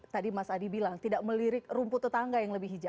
tadi mas adi bilang tidak melirik rumput tetangga yang lebih hijau